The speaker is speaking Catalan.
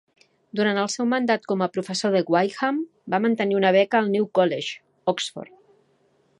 Durant el seu mandat com a professor de Wykeham, va mantenir una beca al New College, Oxford.